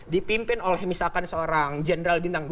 dipimpin oleh misalkan seorang general bintang dua